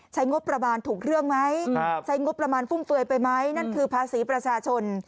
ใช้งบประมาณถูกเรื่องไหมใช้งบประมาณฟุ่มเฟือยไปไหมนั่นคือภาษีประชาชน